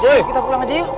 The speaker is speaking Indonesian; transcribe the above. yaudah kita pulang aja yuk